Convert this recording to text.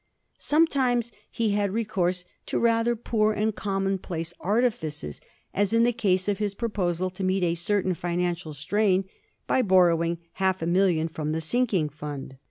Sometimes he had recourse to rather poor and commonplace artifices, as in the case of his proposal to meet a certain financial strain by borrowing half a million fi*om the Sinking Fund.